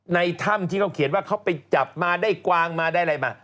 ในถ้ำที่เขาเขียนว่าเขาไปจับมาได้กวางมาได้อะไรมา